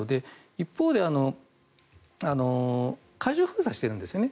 一方で海上封鎖しているんですよね。